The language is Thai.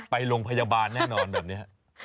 ไปโรงพยาบาลแน่นอนแบบนี้